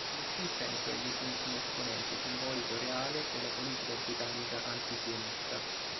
In nessun senso egli fu un esponente, simbolico o reale, della politica britannica anti-sionista.